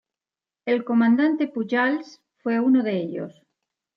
El Comandante Pujals fue uno de ellos.